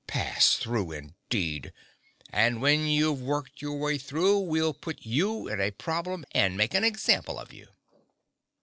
Pass through, indeed! And when you've worked your way through we'll put you in a problem and make an example of you."